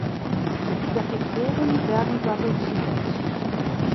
Doch die Proben werden sabotiert.